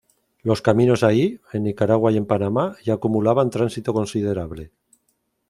Los caminos ahí, en Nicaragua y en Panamá, ya acumulaban tránsito considerable.